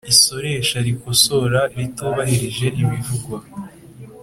Isoresha rikosora ritubahirije ibivugwa